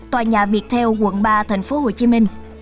tòa nhà việt theo quận ba tp hcm